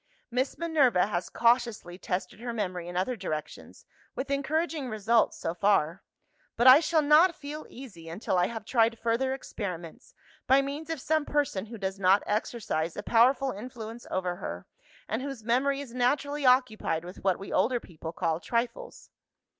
Miss Minerva has cautiously tested her memory in other directions, with encouraging results, so far. But I shall not feel easy until I have tried further experiments, by means of some person who does not exercise a powerful influence over her, and whose memory is naturally occupied with what we older people call trifles.